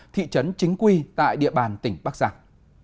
thị trấn chính quy tại địa bàn tỉnh bắc giang